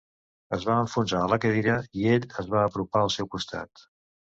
Es va enfonsar a la cadira i ell es va apropar al seu costat.